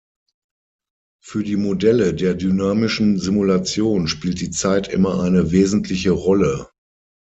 Für die Modelle der dynamischen Simulation spielt die Zeit immer eine wesentliche Rolle.